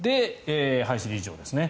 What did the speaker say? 林理事長ですね